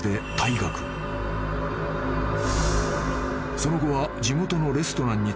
［その後は］